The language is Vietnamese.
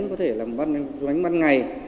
có thể đánh ban ngày